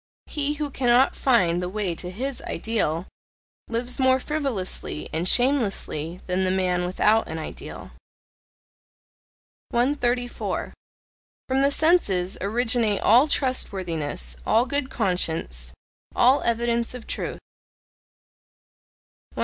He who cannot find the way to HIS ideal, lives more frivolously and shamelessly than the man without an ideal. 134. From the senses originate all trustworthiness, all good conscience, all evidence of truth. 135.